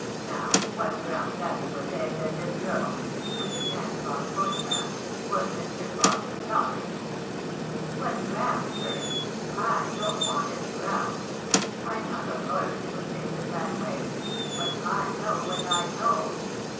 " Now, what grounds have you for saying that this girl " with his hand upon the photograph " was Mr. Fausset's daughter ?"" What grounds, sir ?/ don't want any grounds. I'm not a lawyer to put things in that way ; but I know what I know.